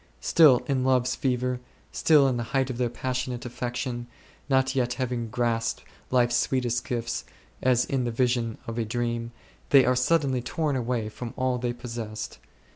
Still in love's fever, still at the height of their passionate affection, not yet having grasped life's sweetest gifts, as in the vision of a dream, they are suddenly torn away from all they possessed.